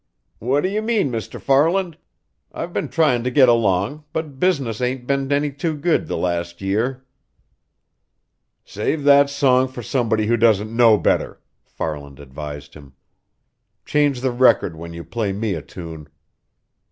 "What do you mean, Mr. Farland? I've been trying to get along, but business ain't been any too good the last year." "Save that song for somebody who doesn't know better!" Farland advised him. "Change the record when you play me a tune."